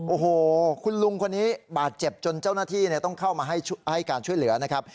โอ้โหคุณลุงคนนี้บาดเจ็บจนเจ้าหน้าที่ต้องเข้ามาให้การช่วยเหลือนะครับ